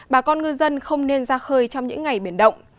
bà con ngư dân không nên ra khơi trong những ngày biển động